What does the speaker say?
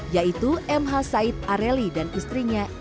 yaitu m h said areli dan istrinya ibu neneng